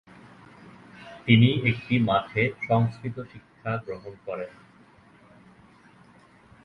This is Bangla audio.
তিনি একটি মঠে সংস্কৃত শিক্ষা গ্রহণ করেন।